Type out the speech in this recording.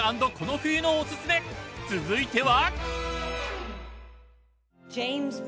続いては！